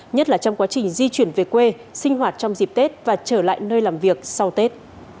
nhất là trong quá trình di chuyển về quê sinh hoạt trong dịp tết và trở lại nơi làm việc sau tết